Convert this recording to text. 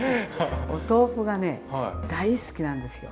お豆腐がね大好きなんですよ。